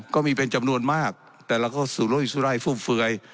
ก็มีเป็นจำนวนมากแต่เราก็สุโรอิสุรายฟุ่มเฟือย